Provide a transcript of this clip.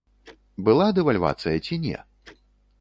Была дэвальвацыя ці не?